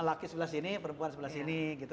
laki sebelah sini perempuan sebelah sini gitu